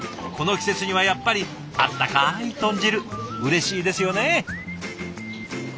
この季節にはやっぱり温かい豚汁うれしいですよね。